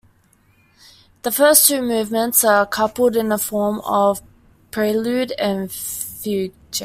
The first two movements are coupled in a form of prelude and fugue.